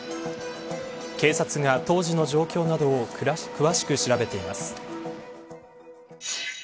警察が当時の状況などを詳しく調べています。